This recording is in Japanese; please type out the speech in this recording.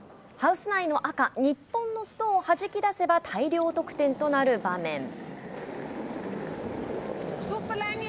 ハウス内の赤日本のストーンをはじき出せば大量得点となる場面。